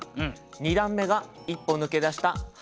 ２段目が一歩抜け出した半ボン。